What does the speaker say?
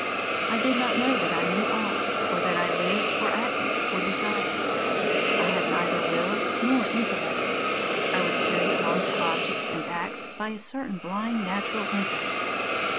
I did not know that I knew aught, or that I lived or acted or desired. I had neither will nor intellect. I was carried along to objects and acts by a certain blind natural impetus.